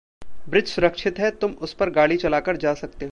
Bridge सुरक्षित है, तुम उसपर गाड़ी चलाकर जा सकते हो।